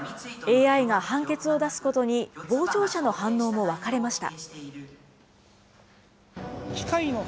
ＡＩが判決を出すことに、傍聴者の反応も分かれました。